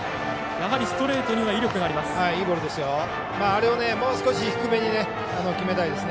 やはりストレートには威力があります。